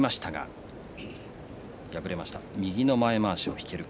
右の前まわしを引けるか。